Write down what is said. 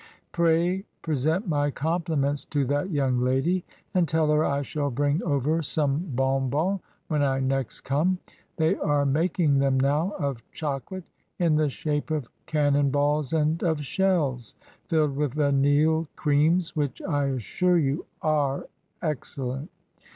Pray present my compliments to that young lady, and tell her I shall bring over some bonbons when I next come. They are mak ing them now of chocolate, in the shape of cannon balls and of shells, filled with vanille creams, which I assure you are excellent.